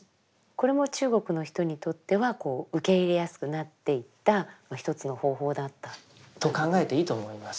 これも中国の人にとってはこう受け入れやすくなっていった一つの方法だったということ。と考えていいと思います。